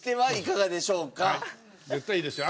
絶対いいですよ。